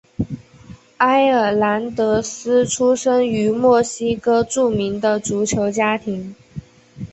埃尔南德斯出生于墨西哥著名的足球家庭。